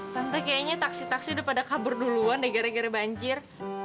tante kayaknya taksi taksi udah pada kabur duluan deh gara gara banjir